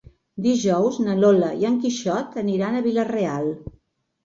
Dijous na Lola i en Quixot aniran a Vila-real.